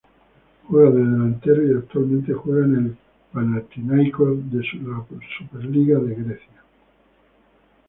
Juega de delantero y actualmente juega en el Panathinaikos de la Superliga de Grecia.